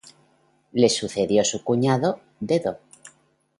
Le sucedió su cuñado, Dedo.